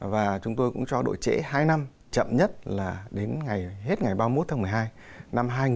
và chúng tôi cũng cho độ trễ hai năm chậm nhất là đến hết ngày ba mươi một tháng một mươi hai năm hai nghìn hai mươi